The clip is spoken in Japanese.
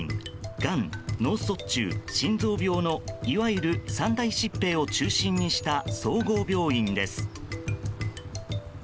がん、脳卒中、心臓病のいわゆる三大疾病を中心にした総合病院です。